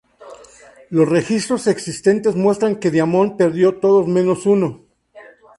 Los registros existentes muestran que Diamond perdió todos menos uno.